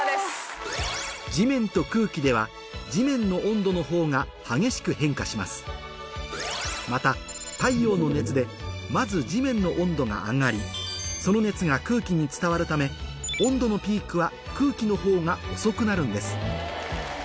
地面と空気ではまた太陽の熱でまず地面の温度が上がりその熱が空気に伝わるため温度のピークは空気の方が遅くなるんです